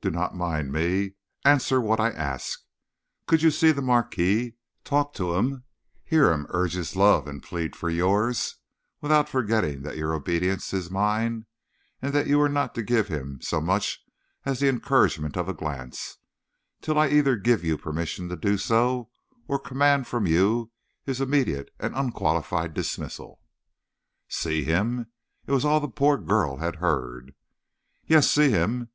do not mind me! Answer what I ask. Could you see the marquis talk to him, hear him urge his love and plead for yours, without forgetting that your obedience is mine, and that you are not to give him so much as the encouragement of a glance, till I either give you permission to do so or command from you his immediate and unqualified dismissal?" "See him?" It was all the poor girl had heard. "Yes; see him.